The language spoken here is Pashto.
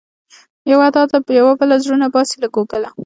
یوه دا ده يوه بله، زړونه باسې له ګوګله